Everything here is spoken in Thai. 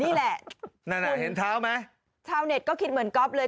นั่นแหละนั่นอ่ะเห็นเท้าไหมชาวเน็ตก็คิดเหมือนก๊อฟเลย